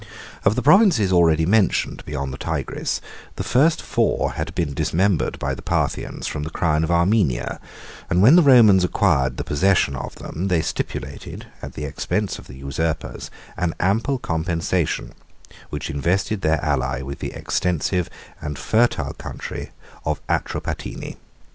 Of the provinces already mentioned beyond the Tigris, the four first had been dismembered by the Parthians from the crown of Armenia; 81 and when the Romans acquired the possession of them, they stipulated, at the expense of the usurpers, an ample compensation, which invested their ally with the extensive and fertile country of Atropatene.